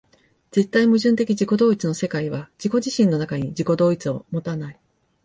絶対矛盾的自己同一の世界は自己自身の中に自己同一を有たない。